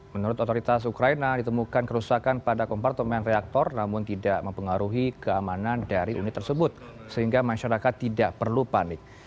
menurut otoritas ukraina ditemukan kerusakan pada kompartemen reaktor namun tidak mempengaruhi keamanan dari unit tersebut sehingga masyarakat tidak perlu panik